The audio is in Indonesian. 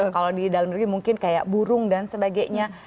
kalau di dalam negeri mungkin kayak burung dan sebagainya